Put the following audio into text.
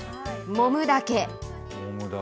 もむだけ。